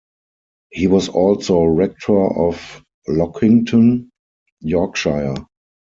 He was also Rector of Lockington, Yorkshire.